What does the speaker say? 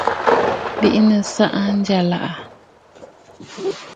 Bìʼinə̀ saʼa njyàlàʼà.